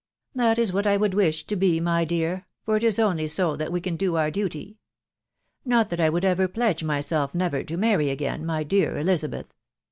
tr That is what I would wish to be, my dear, for it is only so that we can do our duty. •.. Not that I would ever pledge myself never to marry again, my dear Elizabeth.